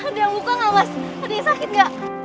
ada yang luka gak mas ada yang sakit gak